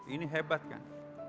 ini hebat kan